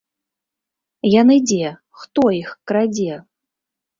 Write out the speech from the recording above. Яны дзе, хто іх крадзе?